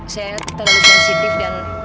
saya terlalu sensitif dan